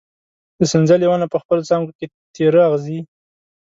د سنځلې ونه په خپلو څانګو کې تېره اغزي